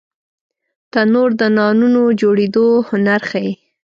تنور د نانونو جوړېدو هنر ښيي